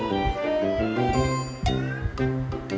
โทษนะโทนดูนะ